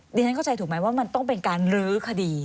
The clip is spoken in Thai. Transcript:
ฉันเข้าใจถูกไหมว่ามันต้องเป็นการลื้อคดี